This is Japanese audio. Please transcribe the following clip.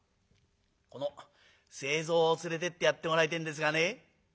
この清蔵を連れてってやってもらいてえんですがね」。